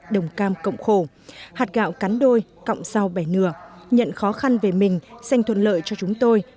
đồng cam cộng khổ hạt gạo cắn đôi cộng rau bẻ nửa nhận khó khăn về mình dành thuận lợi cho chúng tôi